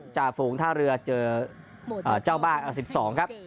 จ่าฝูงท่าเรือเจอเอ่อเจ้าบ้านเอ่อสิบสองครับ